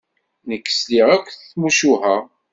Nekk sliɣ akk timucuha.